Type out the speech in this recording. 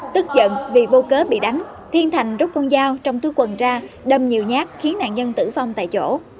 tức giận vì vô cớ bị đánh thiên thành rút con dao trong túi quần ra đâm nhiều nhát khiến nạn nhân tử phạm